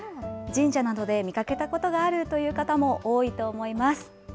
神社などで見かけたことがあるという方も多いと思います。